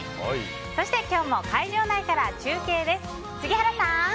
そして今日も会場内から中継です。